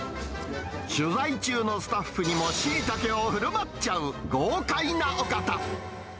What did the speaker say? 取材中のスタッフにも、しいたけをふるまっちゃう豪快なお方。